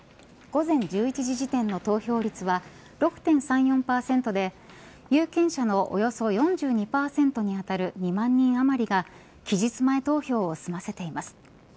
午前１１時時点の投票率は６．３４％で有権者のおよそ４２％に当たる２万人余りが期日前投票を済ませています。